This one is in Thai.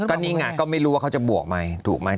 ก็นี่ไงก็ไม่รู้ว่าเขาจะบวกไหมถูกไหม